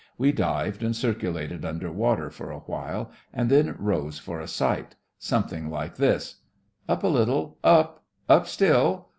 We dived and circulated under water for a while, and then rose for a sight — something like this: "Up a Httle — up! Up still!